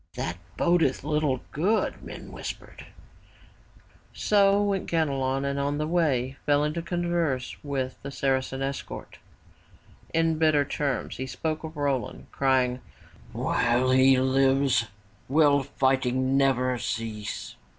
''That bodeth little good,'' men whispered. So went Ganelon and on the way fell into converse with the Saracen escort. In bitter terms he spoke of Roland crying, ''While he lives, will fighting never cease.